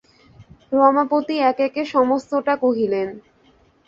রমাপতি একে একে সমস্তটা কহিলেন।